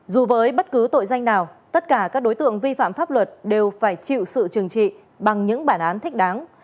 dù với bất cứ tội danh nào tất cả các đối tượng vi phạm pháp luật đều phải chịu sự trừng trị bằng những bản án thích đáng